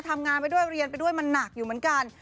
ทำงานไปด้วยเรียนไปด้วยมันหนักอยู่เหมือนกัน